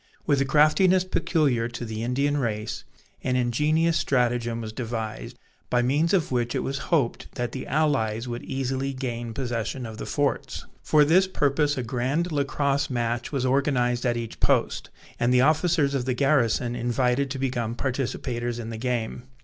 With the craftiness peculiar to the Indian race, an ingenious stratagem was devised, by means of which it was hoped that the allies would easily gain possession of the forts. For this purpose a grand Lacrosse match was organized at each post, and the officers of the garrison invited to become participators in the game.